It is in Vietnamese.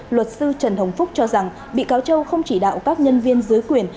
luật sư trần hồng phúc cho rằng bị cáo châu không chỉ đạo các nhân viên dưới quyền